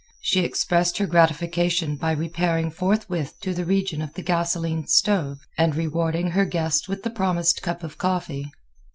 She expressed her gratification by repairing forthwith to the region of the gasoline stove and rewarding her guest with the promised cup of coffee.